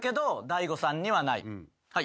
はい。